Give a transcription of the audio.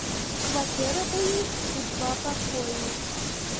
Кватэра ў іх у два пакоі.